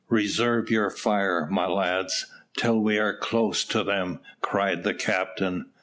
"Reserve your fire, my lads, till we are close to them," cried the captain.